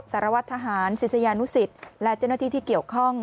สารวัตรทหารศิษยานุสิตและเจ้าหน้าที่ที่เกี่ยวข้อง